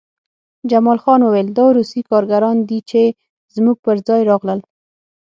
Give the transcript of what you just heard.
جمال خان وویل دا روسي کارګران دي چې زموږ پرځای راغلل